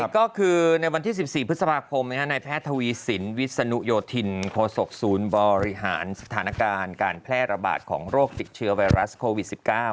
ก็คือในวันที่๑๔พฤษภาคมในแพทย์ทวีสินวิศนุโยธินโคศกศูนย์บริหารสถานการณ์การแพร่ระบาดของโรคติดเชื้อไวรัสโควิด๑๙